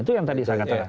itu yang tadi